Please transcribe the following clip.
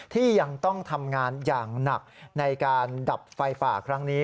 ที่ยังต้องทำงานอย่างหนักในการดับไฟป่าครั้งนี้